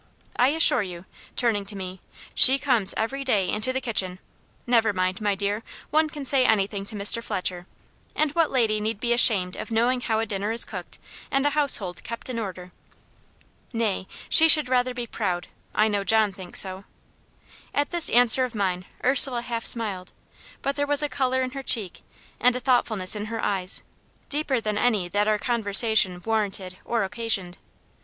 "I assure you" turning to me "she comes every day into the kitchen never mind, my dear, one can say anything to Mr. Fletcher. And what lady need be ashamed of knowing how a dinner is cooked and a household kept in order?" "Nay, she should rather be proud; I know John thinks so." At this answer of mine Ursula half smiled: but there was a colour in her cheek, and a thoughtfulness in her eyes, deeper than any that our conversation warranted or occasioned.